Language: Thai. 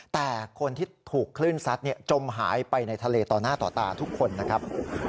แต่คนที่ถูกคลื่นซัดจมหายไปในทะเลต่อหน้าต่อตาทุกคนนะครับ